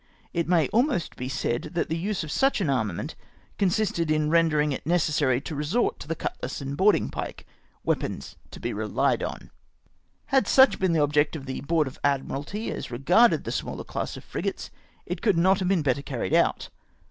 It may ahnost l)e said, that the use of such an armament consisted in INEFFECTIVE ARMAMENT. 59 renderiDg it necessary to resort to the cutlass and boarding pike— weapons to be relied on. Had such been the object of the Board of Admiralty as re garded the smaller class of frigates, it could not have been better carried out.